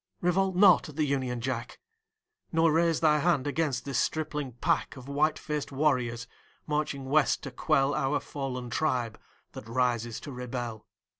Revolt not at the Union Jack, Nor raise Thy hand against this stripling pack Of white faced warriors, marching West to quell Our fallen tribe that rises to rebel.